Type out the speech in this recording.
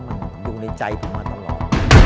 มันอยู่ในใจผมมาตลอด